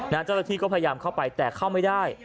เจ้าหน้าที่ก็พยายามเข้าไปแต่เข้าไม่ได้